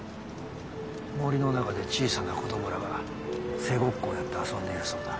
森の中で小さな子供らが「セ」ごっこをやって遊んでいるそうだ。